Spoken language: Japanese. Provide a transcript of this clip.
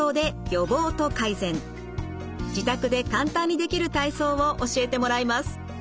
自宅で簡単にできる体操を教えてもらいます。